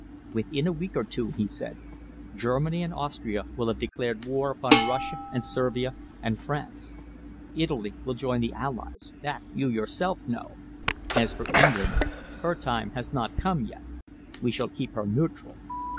"Within a week or two," he said, "Germany and Austria will have declared war upon Russia and Servia and France. Italy will join the allies that you yourself know. As for England, her time has not come yet. We shall keep her neutral.